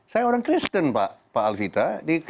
saya orang kristen pak alvita